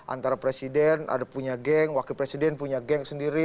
antara presiden ada punya geng wakil presiden punya geng sendiri